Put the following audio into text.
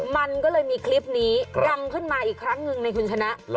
มันก็เลยมีคลิปนี้ดังขึ้นมาอีกครั้งหนึ่งในคุณชนะ